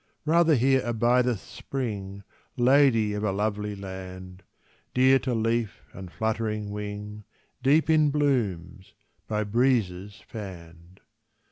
Rather here abideth Spring, Lady of a lovely land, Dear to leaf and fluttering wing, Deep in blooms by breezes fanned.